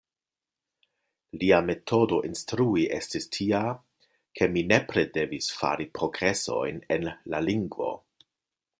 Lia metodo instrui estis tia, ke mi nepre devis fari progresojn en la lingvo.